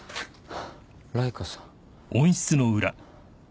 ライカさん。